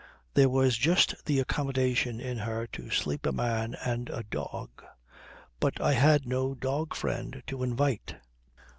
There was just the accommodation in her to sleep a man and a dog. But I had no dog friend to invite.